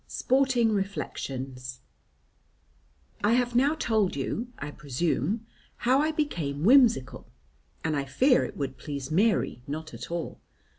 Sporting Reflections I have now told you (I presume) how I became whimsical, and I fear it would please Mary not at all.